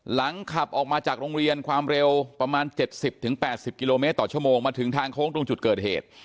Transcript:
ขับออกมาจากโรงเรียนความเร็วประมาณ๗๐๘๐กิโลเมตรต่อชั่วโมงมาถึงทางโค้งตรงจุดเกิดเหตุ